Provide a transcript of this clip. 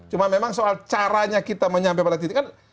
cuma memang soal caranya kita menyampaikan